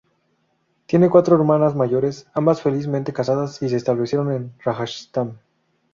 Tiene cuatro hermanas mayores, ambas felizmente casadas y se establecieron en Rajasthan.